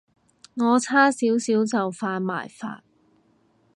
我差少少就犯埋法